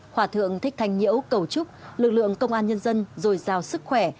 hỏa thượng thích thanh nhễu cầu chúc lực lượng công an nhân dân rồi giao sức khỏe